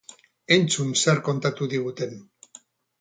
Entzun zer kontatu diguten.